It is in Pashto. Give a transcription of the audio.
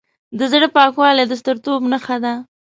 د زړه پاکوالی د سترتوب نښه ده.